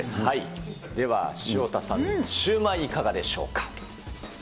では潮田さんの、シューマイいかがでしょうか。